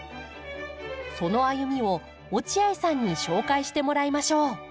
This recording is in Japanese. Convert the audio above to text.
その歩みを落合さんに紹介してもらいましょう。